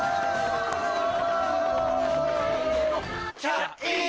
キャイン！